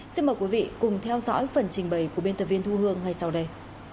xin mời quý vị cùng theo dõi phần trình bày của biên tập viên thu hương ngay sau đây